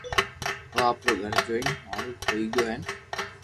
او آپرو گھر جوئين ھآرين ھوئي گيو ھين